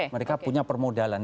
mereka punya permodalan